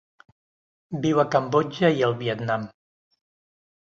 Viu a Cambodja i el Vietnam.